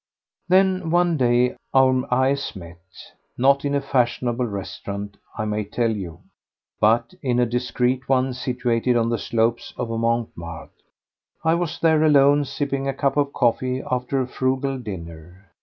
2. Then one day our eyes met: not in a fashionable restaurant, I may tell you, but in a discreet one situated on the slopes of Montmartre. I was there alone, sipping a cup of coffee after a frugal dinner.